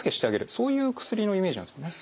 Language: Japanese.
そういう薬のイメージなんですかね。